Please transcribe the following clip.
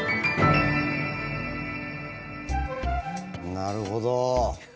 なるほど。